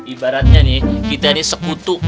ibaratnya nih kita ini sekutu